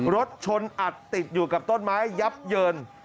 รถชนอัดติดอยู่กับต้นไม้ยับเยิน